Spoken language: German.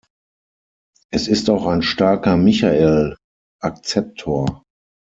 Es ist auch ein starker Michael-Akzeptor.